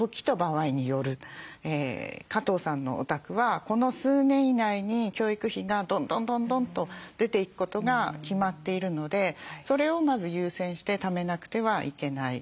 加藤さんのお宅はこの数年以内に教育費がどんどんどんどんと出ていくことが決まっているのでそれをまず優先してためなくてはいけない。